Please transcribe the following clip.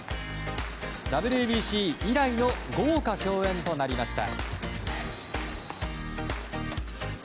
ＷＢＣ以来の豪華共演となりました。